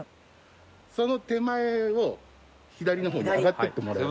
その手前を左の方に上がっていってもらえれば。